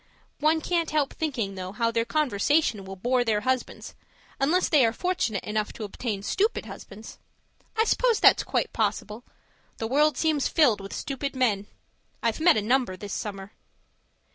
One can't help thinking, though, how their conversation will bore their husbands, unless they are fortunate enough to obtain stupid husbands. I suppose that's quite possible; the world seems to be filled with stupid men; I've met a number this summer.